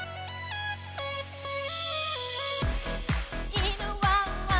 いぬワンワン